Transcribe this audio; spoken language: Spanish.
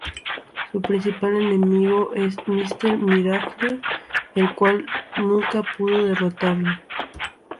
Su principal enemigo es Mister Miracle, el cual nunca pudo derrotarle.